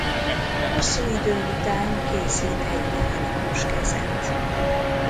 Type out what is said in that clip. Hosszú idő után készít egy mechanikus kezet.